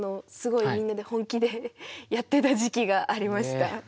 すごいみんなで本気でやってた時期がありました。